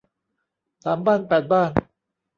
สามบ้านแปดบ้าน